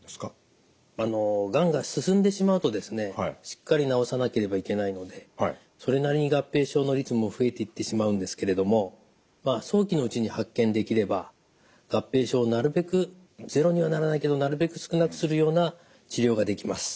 しっかり治さなければいけないのでそれなりに合併症の率も増えていってしまうんですけれどもまあ早期のうちに発見できれば合併症をなるべくゼロにはならないけどなるべく少なくするような治療ができます。